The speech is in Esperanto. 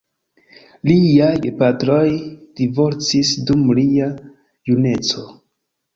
Liaj gepatroj divorcis dum lia juneco.